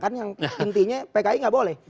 kan yang intinya pki nggak boleh